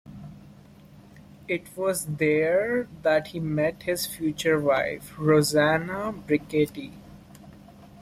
It was there that he met his future wife, Rosanna Brichetti.